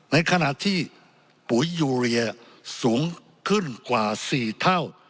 ในขณะที่ปุ๋ยยูเรียสูงขึ้นกว่า๔เท่า